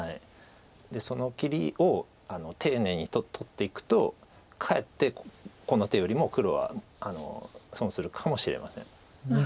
でその切りを丁寧に取っていくとかえってこの手よりも黒は損するかもしれません。